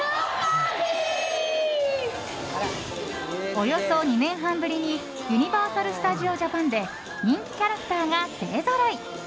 およそ２年半ぶりにユニバーサル・スタジオ・ジャパンで人気キャラクターが勢ぞろい。